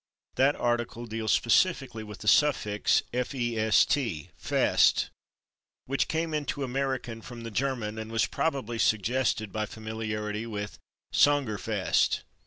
That article deals specifically with the suffix / fest/, which came into American from the German and was probably suggested by familiarity with /sängerfest